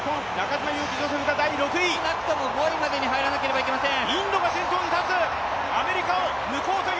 少なくとも５位に入らなくてはいけません。